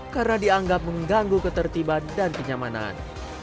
karena dianggap mengganggu ketertiban dan kenyamanan